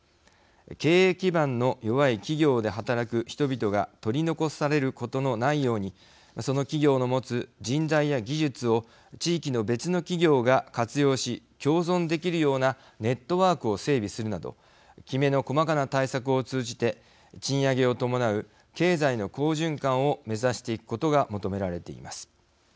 経営基盤の弱い企業で働く人々が取り残されることのないようにその企業の持つ人材や技術を地域の別の企業が活用し共存できるようなネットワークを整備するなどきめの細かな対策を通じて賃上げを伴う経済の好循環を目指していくことが求められています。